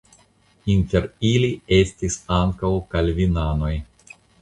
Inter ili estis ankaŭ kalvinanoj.